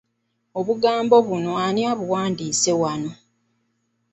Obugambo buno ani abuwandiise wano.